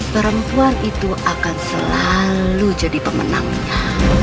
perempuan itu akan selalu jadi pemenangnya